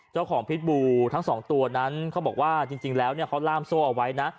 เจ้าของพิษบูทั้งสองตัวนั้นเขาบอกว่าจริงจริงแล้วเนี้ยเขาลามโซ่ออกไว้นะ